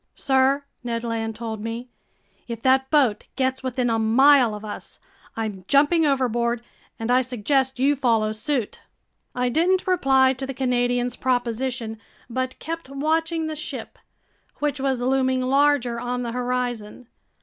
"Sir," Ned Land told me, "if that boat gets within a mile of us, I'm jumping overboard, and I suggest you follow suit." I didn't reply to the Canadian's proposition but kept watching the ship, which was looming larger on the horizon.